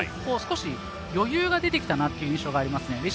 少し余裕が出てきたなという印象がありますね。